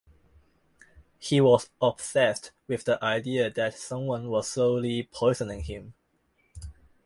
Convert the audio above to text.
He was obsessed with the idea that someone was slowly poisoning him.